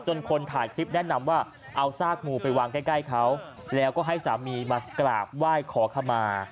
คนถ่ายคลิปแนะนำว่าเอาซากงูไปวางใกล้เขาแล้วก็ให้สามีมากราบไหว้ขอขมา